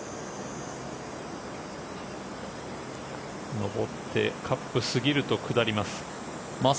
上ってカップ過ぎると下ります。